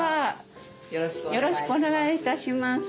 よろしくお願いします。